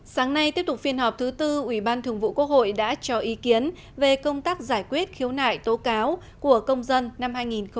sáng nay tiếp tục phiên họp thứ tư ủy ban thường vụ quốc hội đã cho ý kiến về công tác giải quyết khiếu nại tố cáo của công dân năm hai nghìn một mươi chín